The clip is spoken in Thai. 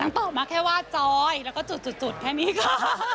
น้องเตมาแค่ว่ายอยล์แล้วก็จุดแค่นี้ค่ะ